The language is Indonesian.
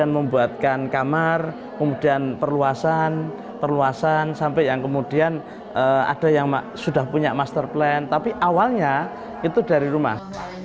membuatkan kamar kemudian perluasan sampai yang kemudian ada yang sudah punya master plan tapi awalnya itu dari rumah